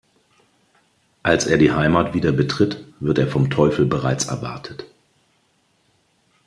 Als er die Heimat wieder betritt, wird er vom Teufel bereits erwartet.